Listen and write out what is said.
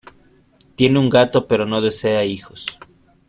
Tiene un gato pero no desea hijos.